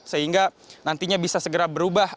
sehingga nantinya bisa segera berubah